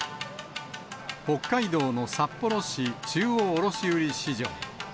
北海道の札幌市中央卸売市場。